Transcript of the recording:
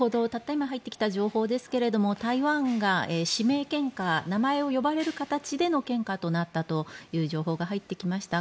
今入ってきた情報ですけれども台湾が指名献花名前を呼ばれる形での献花となったという情報が入ってきました。